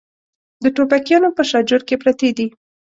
د ټوپکیانو په شاجور کې پرتې دي.